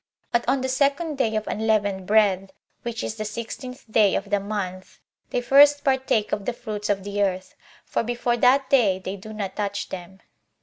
But on the second day of unleavened bread, which is the sixteenth day of the month, they first partake of the fruits of the earth, for before that day they do not touch them.